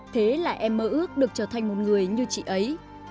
thế là em mơ ước được trở thành một người như chị ấy